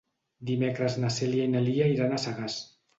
Dimecres na Cèlia i na Lia iran a Sagàs.